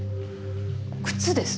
靴ですね。